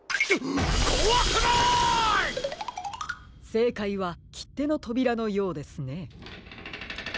せいかいはきってのとびらのようですね。